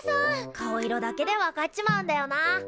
顔色だけで分かっちまうんだよな。